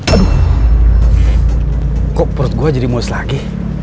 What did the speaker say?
aduh kok perut gue jadi mos lagi